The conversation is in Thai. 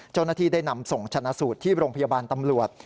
เจ้าหน้าที่ได้นำส่งชนะสูตรที่โรงพยาบาลตำรวจ